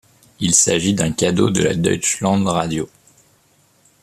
Il s'agit d'un cadeau de la Deutschlandradio.